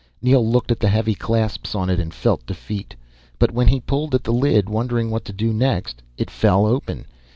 Neel looked at the heavy clasps on it and felt defeat. But when he pulled at the lid, wondering what to do next, it fell open.